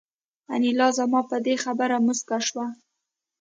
انیلا زما په دې خبره موسکه شوه